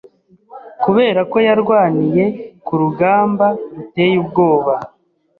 Kuberako yarwaniye kurugamba ruteye ubwoba